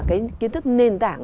cái kiến thức nền tảng